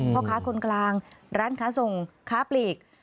พ่อค้าคนกลางร้านค้าส่งค้าปลีก